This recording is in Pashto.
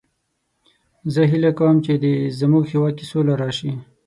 زه هیله کوم چې د مونږ هیواد کې سوله راشي